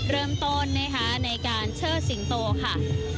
เริ่มต้นในการเชื่อสิงโตค่ะ